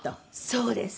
そうです。